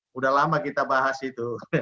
sudah lama kita bahas itu